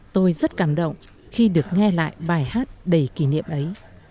tôi rất cảm động khi được nghe lại bài hát đầy kỷ niệm ấy